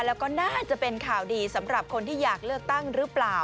แล้วก็น่าจะเป็นข่าวดีสำหรับคนที่อยากเลือกตั้งหรือเปล่า